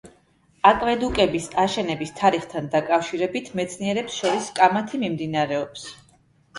აკვედუკების აშენების თარიღთან დაკავშირებით მეცნიერებს შორის კამათი მიმდინარეობს.